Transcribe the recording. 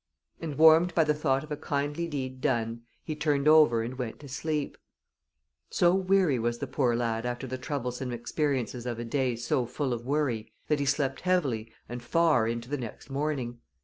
And warmed by the thought of a kindly deed done he turned over and went to sleep. So weary was the poor lad after the troublesome experiences of a day so full of worry that he slept heavily and far into the next morning.